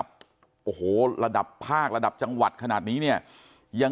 คุณยายบอกว่ารู้สึกเหมือนใครมายืนอยู่ข้างหลัง